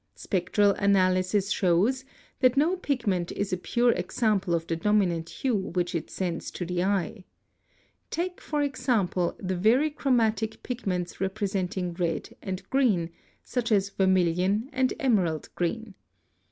R.] Spectral analysis shows that no pigment is a pure example of the dominant hue which it sends to the eye. Take, for example, the very chromatic pigments representing red and green, such as vermilion and emerald green.